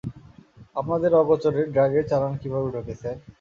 আপনাদের অগোচরে ড্রাগের চালান কীভাবে ঢোকে, স্যার?